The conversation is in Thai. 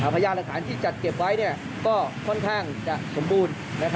พยานหลักฐานที่จัดเก็บไว้ก็ค่อนข้างจะสมบูรณ์